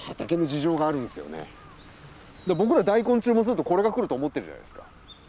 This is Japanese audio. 僕ら大根注文するとこれが来ると思ってるじゃないですか。